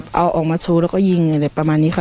เอาออกมาสู้แล้วก็ยิงอะไรประมาณนี้ค่ะ